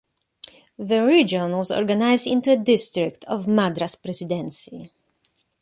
The region was organized into a district of Madras Presidency.